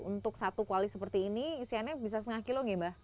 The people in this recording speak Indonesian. untuk satu kuali seperti ini isiannya bisa setengah kilo gak